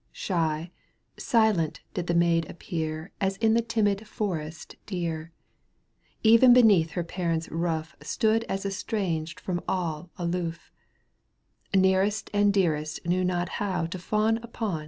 canto п. q Shy, silent did the maid appear As is the timid forest deer, Even beneath her parents' roof Stood as estranged from all aloof, Nearest and dearest knew not how To fawn upon